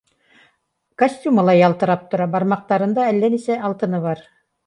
Костюмы ла ялтырап тора, бармаҡтарында әллә нисә алтыны бар.